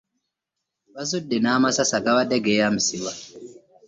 Bazudde n'amasasi agabadde geeyambisibwa.